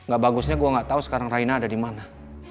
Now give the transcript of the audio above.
gak bagusnya gue gak tau sekarang raina ada di mana